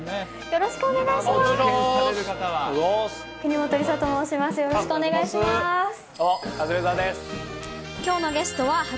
よろしくお願いします。